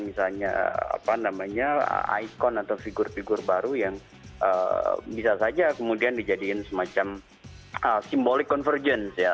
misalnya apa namanya ikon atau figur figur baru yang bisa saja kemudian dijadikan semacam simbolik convergence ya